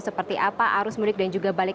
seperti apa arus mudik dan juga balik